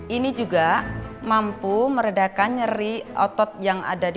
ini juga mampu meredakan nyeri otot panggul